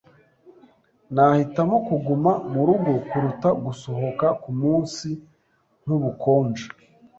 Nahitamo kuguma murugo kuruta gusohoka kumunsi nkubukonje.